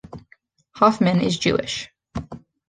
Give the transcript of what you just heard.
Hoffman is Jewish.